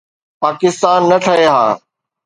پاڪستان نه ٺهي ها.